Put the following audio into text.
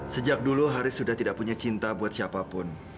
sejak dulu haris sudah tidak punya cinta buat siapapun